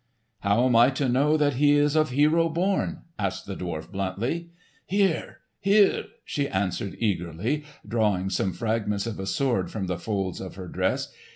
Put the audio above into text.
"How am I to know that he is of hero born?" asked the dwarf bluntly. "Here, here!" she answered eagerly, drawing some fragments of a sword from the folds of her dress.